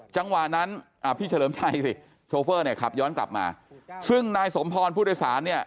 จังหวะนั้นอ่าพี่เฉลิมชัยสิโชเฟอร์เนี่ยขับย้อนกลับมาซึ่งนายสมพรผู้โดยสารเนี่ย